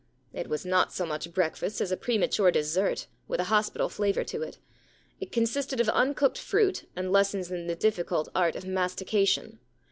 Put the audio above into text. * It was not so much breakfast as a prema ture dessert with a hospital flavour to it. It consisted of uncooked fruit and lessons in the difficult art of mastication.